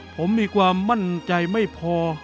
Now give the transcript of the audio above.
ผมมีความมั่นใจไม่พอ